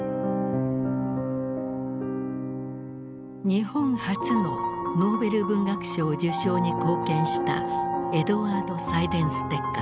日本初のノーベル文学賞受賞に貢献したエドワード・サイデンステッカー。